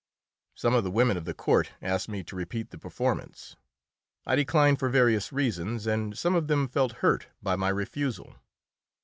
Some of the women of the court asked me to repeat the performance. I declined for various reasons, and some of them felt hurt by my refusal.